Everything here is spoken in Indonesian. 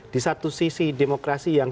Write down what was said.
di satu sisi demokrasi yang